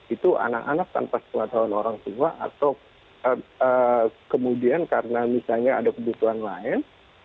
itu anak anak tanpa pengetahuan orang tua atau kemudian karena misalnya ada kebutuhan lain